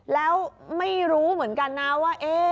แล้วไม่รู้เหมือนกันนะว่า